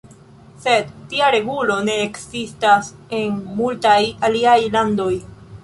Sed tia regulo ne ekzistas en multaj aliaj landoj.